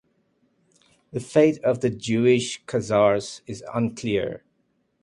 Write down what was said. The fate of the Jewish Khazars is unclear.